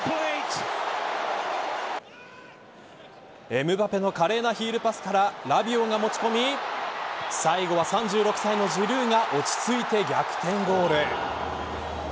エムバペの華麗なヒールパスからラビオがもち込み最後は、３６歳のジルーが落ち着いて逆転ゴール。